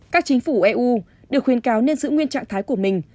các chính phủ eu được khuyên cáo nên giữ nguyên trạng thái của mình